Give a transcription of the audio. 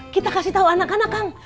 kita kasih tahu anak anak kang